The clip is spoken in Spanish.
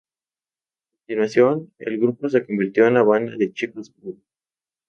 A continuación, el grupo se convirtió en la banda de chicos g.o.d.